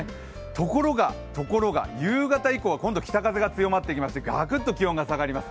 ところが、ところが、夕方以降は今度は北風が強まってきましてガクッと気温が下がります